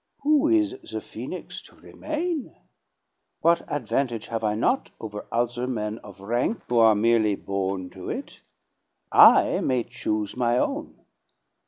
Who is the Phoenix to remain? What advantage have I not over other men of rank who are merely born to it? I may choose my own.